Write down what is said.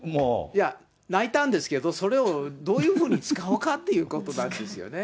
いや、泣いたんですけど、それを、どういうふうに使うかっていうことなんですよね。